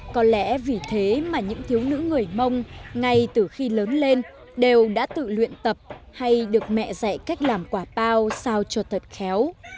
có lẽ vì thế mà những thiếu nữ người mông ngay từ khi lớn lên đều đã tự luyện tập hay được mẹ dạy cách làm quả bao sao cho thật khéo